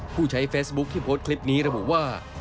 ผู้ใช้เฟซบุ๊คที่โพสต์คลิปนี้ระบุว่า